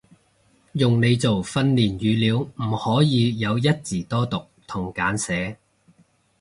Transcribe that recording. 用嚟做訓練語料唔可以有一字多讀同簡寫